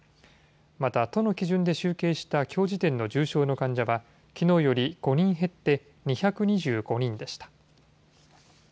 また、都の基準で集計したきょう時点の重症の患者は、きのうより５人減って２２５人でした。